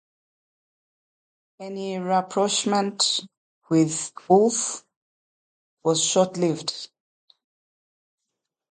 Any rapprochement with Ulf was short-lived.